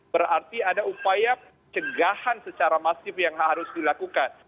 berarti ada upaya cegahan secara masif yang harus dilakukan